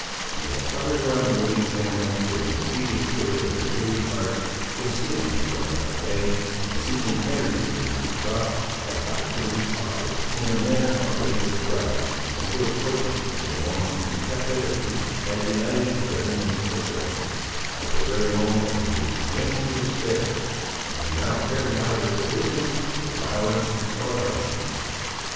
He had hovered around the moving family, during the tedious period of their weary march, concealing himself by day, and seeking interviews with his betrothed as opportunities offered, in the manner already described, until fortune and his own intrepidity had united to render him successful, at the very moment when he was beginning to despair, and he now cared neither for distance, nor violence, nor hardships.